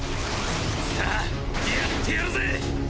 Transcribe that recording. さあやってやるぜ！